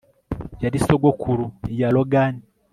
yari sogokuru ya logan